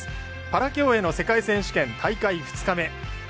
パラ競泳の世界選手権大会２日目。